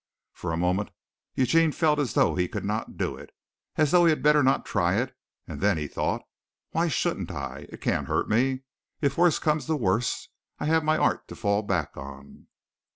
For a moment Eugene felt as though he could not do it, as though he had better not try it, and then he thought, "Why shouldn't I? It can't hurt me. If worst comes to worst, I have my art to fall back on."